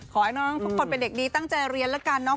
ขอให้น้องทุกคนเป็นเด็กดีตั้งใจเรียนแล้วกันเนาะ